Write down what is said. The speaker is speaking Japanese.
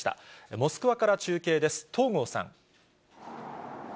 モスクワから中継です。